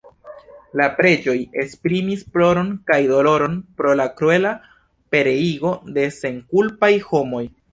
La preĝoj esprimis ploron kaj doloron pro la kruela pereigo de senkulpaj homoj.